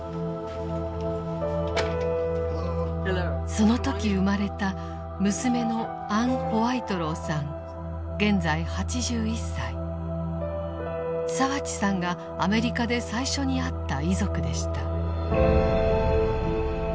その時生まれた澤地さんがアメリカで最初に会った遺族でした。